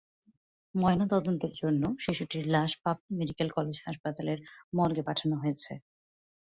ময়নাতদন্তের জন্য শিশুটির লাশ পাবনা মেডিকেল কলেজ হাসপাতালের মর্গে পাঠানো হয়েছে।